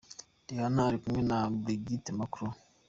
Rihanna ari kumwe na Brigitte Macron.